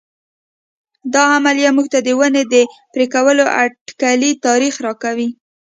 دا عملیه موږ ته د ونې د پرې کولو اټکلي تاریخ راکوي.